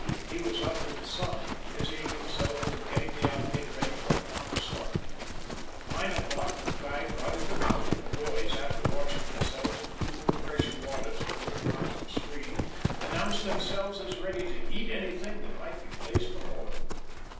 He was up with the sun, busying himself with getting the outfit ready for a prompt start. At nine o'clock the guide routed them out, and the boys, after washing themselves in the cool, refreshing waters of a little mountain stream, announced themselves as ready to eat anything that might be placed before them.